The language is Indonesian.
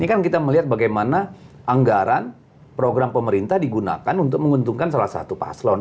ini kan kita melihat bagaimana anggaran program pemerintah digunakan untuk menguntungkan salah satu paslon